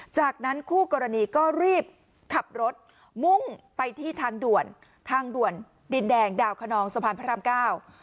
จากนั้นคู่กรณีก็รีบขับรถมุ่งไปที่ทางด่วนทางด่วนดินแดงดาวคนนองสะพานพระรามเก้า